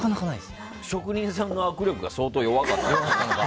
職人さんの握力がすごかった。